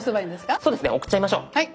そうですね送っちゃいましょう。